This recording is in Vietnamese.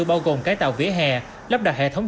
bao gồm cái tàu vỉa hè lắp đặt hệ thống